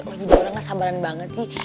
lo jadi orang kesabaran banget sih